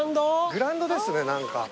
グラウンドですね何か。